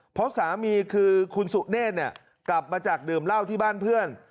เพราะสามีคือคุณสุเนธกลับมาจากดื่มเหล้าที่บ้านเพื่อน